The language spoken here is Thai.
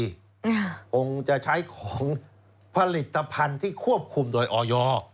คงจะใช้ของผลิตภัณฑ์ที่ควบคุมโดยออย